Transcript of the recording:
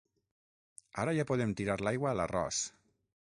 Ara ja podem tirar l'aigua a l'arròs!